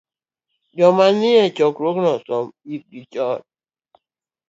ni joma nie chokruogno osom, ikgi chon.